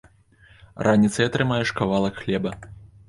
Раніцай атрымаеш кавалак хлеба.